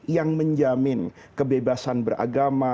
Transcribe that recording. yang menjamin kebebasan beragama